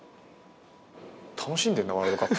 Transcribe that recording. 楽しんでんなワールドカップ。